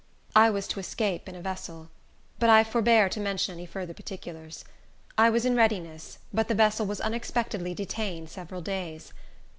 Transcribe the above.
I was to escape in a vessel; but I forbear to mention any further particulars. I was in readiness, but the vessel was unexpectedly detained several days.